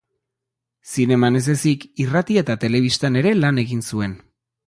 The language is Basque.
Zineman ez ezik, irrati eta telebistan ere lan egin zuen.